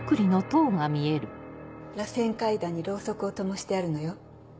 らせん階段にロウソクをともしてあるのよ。